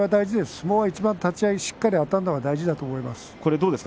相撲は立ち合いしっかりあたるのは大事です。